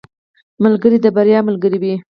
ملګری د بریا ملګری وي.